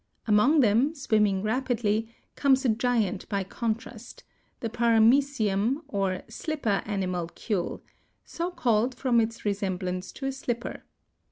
Among them, swimming rapidly, comes a giant by contrast, the Paramœcium (Fig. 6) or Slipper Animalcule, so called from its resemblance to a slipper.